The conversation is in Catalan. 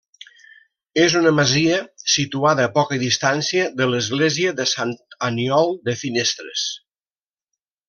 És una masia situada a poca distància de l'església de sant Aniol de Finestres.